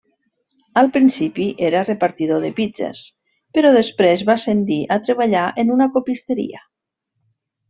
Al principi era repartidor de pizzes, però després va ascendir a treballar en una copisteria.